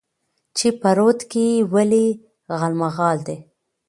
چې په رود کې ولې غالمغال دى؟